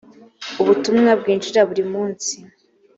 ubutumwa bwinjira buri munsi.